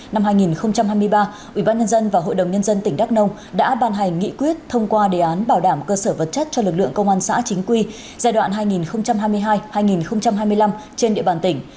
năm hai nghìn hai mươi ba ubnd và hội đồng nhân dân tỉnh đắk nông đã ban hành nghị quyết thông qua đề án bảo đảm cơ sở vật chất cho lực lượng công an xã chính quy giai đoạn hai nghìn hai mươi hai hai nghìn hai mươi năm trên địa bàn tỉnh